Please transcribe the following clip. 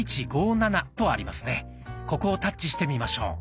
ここをタッチしてみましょう。